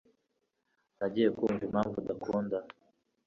Ntangiye kumva impamvu udakunda